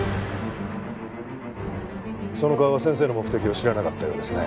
その顔は先生の目的を知らなかったようですね。